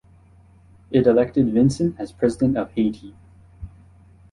It elected Vincent as President of Haiti.